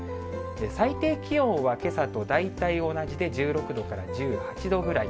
最低気温はけさと大体同じで１６度から１８度ぐらい。